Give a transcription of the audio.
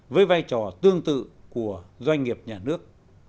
với vai trò tương tự của doanh nghiệp nhà nước